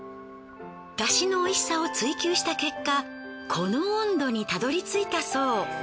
出汁の美味しさを追求した結果この温度にたどり着いたそう。